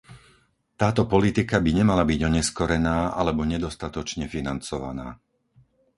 Táto politika by nemala byť oneskorená alebo nedostatočne financovaná.